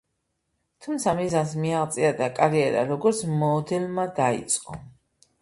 თუმცა მიზანს მიაღწია და კარიერა როგორც მოდელმა დაიწყო.